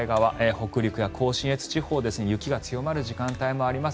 北陸や甲信越地方雪が強まる時間帯もあります。